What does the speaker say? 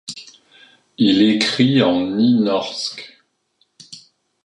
Il écrit en nynorsk.